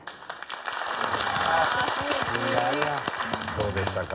どうでしたか？